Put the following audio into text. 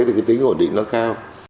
thì quyết định nó cao